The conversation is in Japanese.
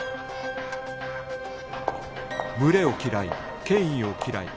群れを嫌い権威を嫌い